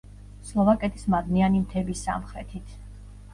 სლოვაკეთის მადნიანი მთების სამხრეთით.